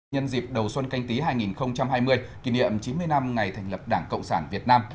nhân dịp đầu xuân canh tí hai nghìn hai mươi kỷ niệm chín mươi năm ngày thành lập đảng cộng sản việt nam